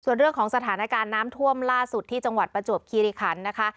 ส่วนเรื่องของสถานการณ์น้ำท่วมล่าสุดที่จังหวัดประจวบคีริคันนะคะ